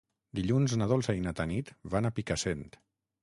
Dilluns na Dolça i na Tanit van a Picassent.